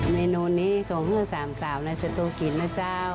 เมนูนี้ส่งเพื่อสามสาวในสตูกิจนะเจ้า